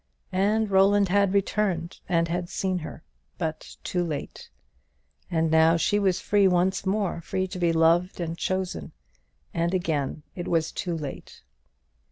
And Roland had returned, and had seen her; but too late; and now she was free once more, free to be loved and chosen, and again it was too late.